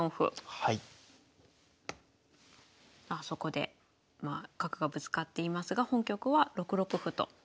そこで角がぶつかっていますが本局は６六歩と。